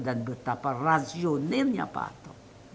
dan betapa rasionilnya pak harto